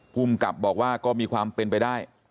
ภูมิกับบอกว่าก็มีความเป็นไปได้